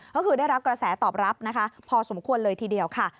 ก็คือได้รับกระแสตอบรับนะคะพอสมควรเลยทีเดียวค่ะ